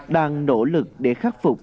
đang nỗ lực để khắc phục